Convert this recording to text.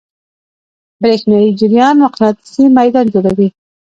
برېښنایی جریان مقناطیسي میدان جوړوي.